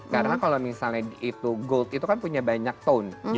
karena kalau misalnya itu gold itu kan punya banyak tone